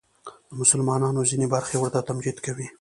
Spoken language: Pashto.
د مسلمانانو ځینې برخې ورته تمجید کوي